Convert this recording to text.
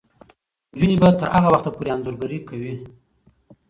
نجونې به تر هغه وخته پورې انځورګري کوي.